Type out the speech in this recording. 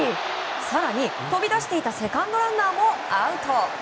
更に飛び出していたセカンドランナーもアウト！